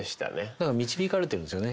だから導かれてるんですよね